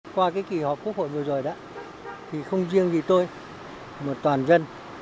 qua kỳ họp quốc hội vừa rồi không riêng vì tôi một toàn dân